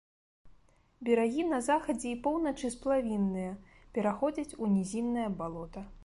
Берагі на захадзе і поўначы сплавінныя, пераходзяць у нізіннае балота.